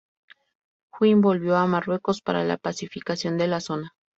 Juin volvió a Marruecos para la pacificación de la zona.